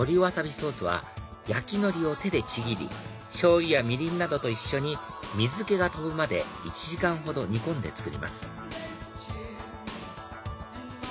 ソースは焼き海苔を手でちぎり醤油やみりんなどと一緒に水気が飛ぶまで１時間ほど煮込んで作ります